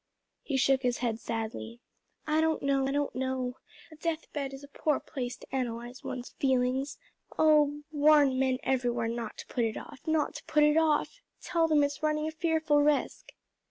He shook his head sadly. "I don't know, I don't know, a death bed is a poor place to analyze one's feelings. Oh! warn men everywhere not to put it off, not to put it off! Tell them it is running a fearful risk."